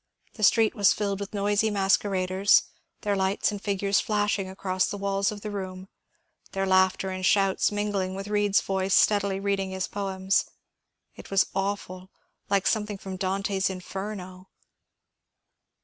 The street was filled with noisy masqueraders, their lights and figures flashing across the walls of the room, their laughter and shouts min gling with Bead's voice steadily reading his poems. It was awful, like something from Dante's Inferno."